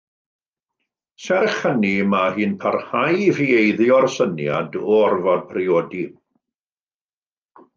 Serch hynny, mae hi'n parhau i ffieiddio'r syniad o orfod priodi.